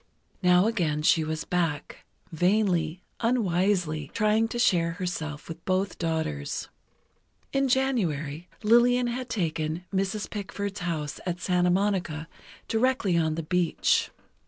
Now again she was back, vainly, unwisely trying to share herself with both daughters. In January, Lillian had taken Mrs. Pickford's house at Santa Monica, directly on the beach.